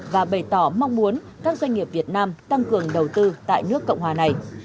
và bày tỏ mong muốn các doanh nghiệp việt nam tăng cường đầu tư tại nước cộng hòa này